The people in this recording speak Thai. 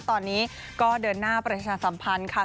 ตอนนี้ก็เดินหน้าประชาสัมพันธ์ค่ะ